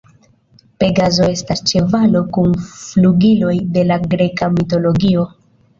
Pegazo estas ĉevalo kun flugiloj de la greka mitologio.